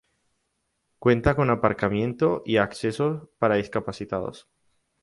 Cuenta con aparcamiento y accesos para discapacitados.